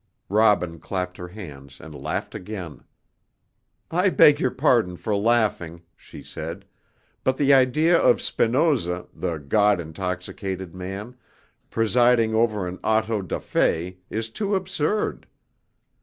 Robin clapped her hands and laughed again. "I beg your pardon for laughing," she said, "but the idea of Spinoza, the 'God intoxicated man,' presiding over an auto da fé is too absurd.